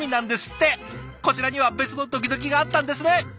こちらには別のドキドキがあったんですね！